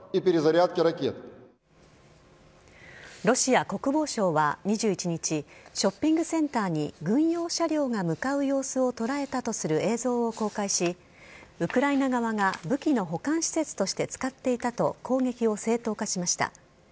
ロシア国防省は２１日、ショッピングセンターに軍用車両が向かう様子を捉えたとする映像を公開し、ウクライナ側が武器の保管施設として使っていたと攻撃を正当化しました。